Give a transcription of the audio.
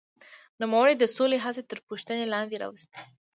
نوموړي د سولې هڅې تر پوښتنې لاندې راوستې.